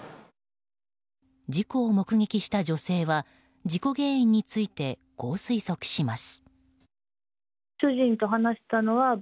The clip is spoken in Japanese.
事故を目撃した女性は事故原因についてこう推測します。